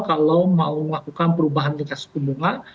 kalau mau melakukan perubahan tingkat suku bunga